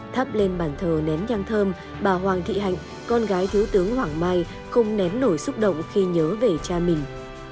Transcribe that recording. thắp lên bàn thờ nén nhang thơm bà hoàng thị hạnh con gái thiếu tướng hoàng mai không nén nổi xúc động khi nhớ về cha mình